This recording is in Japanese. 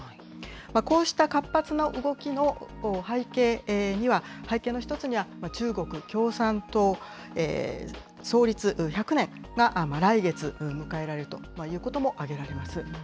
こうした活発な動きの背景には、背景の一つには、中国共産党創立１００年が、来月迎えられるということも挙げられます。